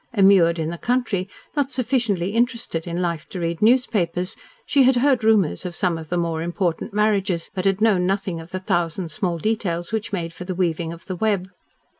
Immured in the country, not sufficiently interested in life to read newspapers, she had heard rumours of some of the more important marriages, but had known nothing of the thousand small details which made for the weaving of the web.